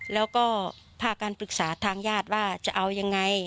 แล้วก็พาการปรึกษาทางญาติว่าจะเอายังไง